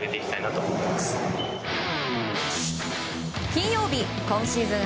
金曜日今シーズン